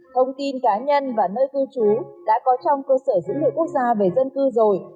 thông tin cá nhân và nơi cư trú đã có trong cơ sở dữ liệu quốc gia về dân cư rồi